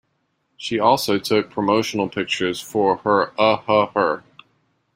She also took promotional pictures for Uh Huh Her.